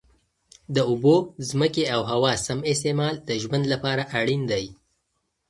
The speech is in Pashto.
د اوبو، ځمکې او هوا سم استعمال د ژوند لپاره اړین دی.